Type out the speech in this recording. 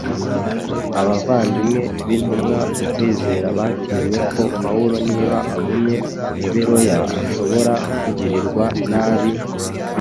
Abavandimwe b’intumwa mu kwizera batinye ko Pawulo niba agumye i Beroya ashobora kugirirwa nabi,